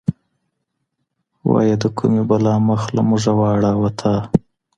وايه د کومي بلا مخ له موږه واړاوه تا؟